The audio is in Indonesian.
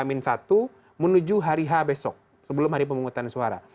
menuju hari h besok sebelum hari pemungutan suara